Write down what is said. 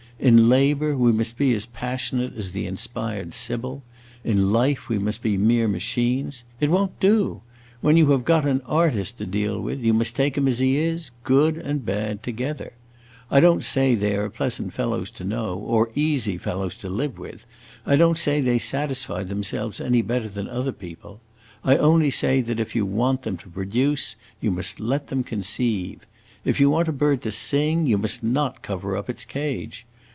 In labor we must be as passionate as the inspired sibyl; in life we must be mere machines. It won't do. When you have got an artist to deal with, you must take him as he is, good and bad together. I don't say they are pleasant fellows to know or easy fellows to live with; I don't say they satisfy themselves any better than other people. I only say that if you want them to produce, you must let them conceive. If you want a bird to sing, you must not cover up its cage.